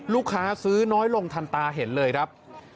ลูกค้าซื้อน้อยลงทันตาเห็นเลยครับ